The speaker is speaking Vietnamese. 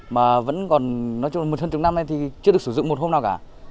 mà vẫn còn nói chung là một hơn chục năm nay thì chưa được sử dụng một hôm nào cả